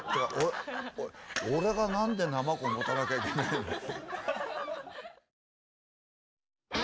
俺が何でナマコ持たなきゃいけないんだって。